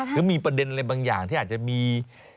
หรือมีประเด็นอะไรบางอย่างที่อาจจะมี